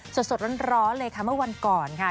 สดร้อนเลยค่ะเมื่อวันก่อนค่ะ